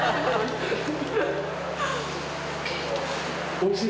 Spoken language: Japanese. おいしい？